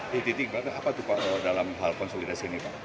di titik berapa tupak dalam hal konsolidasi ini pak